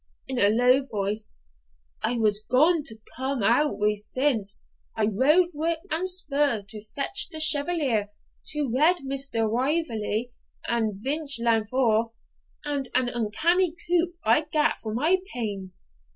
(in a low voice), I was gaun to come out wi' since I rode whip and spur to fetch the Chevalier to redd Mr. Wauverley and Vich lan Vohr; and an uncanny coup I gat for my pains.